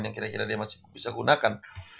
yang kira kira dia masih bisa gunakan